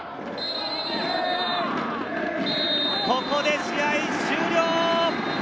ここで試合終了！